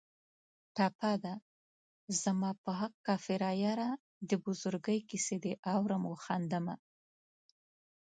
ټپه ده: زما په حق کافره یاره د بزرګۍ کیسې دې اورم و خاندمه